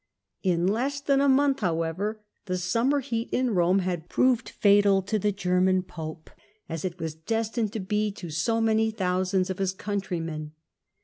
In less than a month, however, the summer heat in Eome had proved fatal to the German pope, as it Dies August ^^ destined to be to so many thousands of ^^ his countrymen.